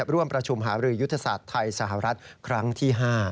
ร่วมประชุมหารือยุทธศาสตร์ไทยสหรัฐครั้งที่๕